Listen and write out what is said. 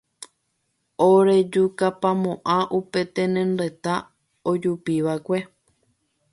orejukapamo'ã upe tendota ojupiva'ekue